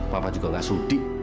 papa juga nggak sudik